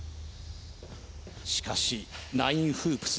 しかしナインフープス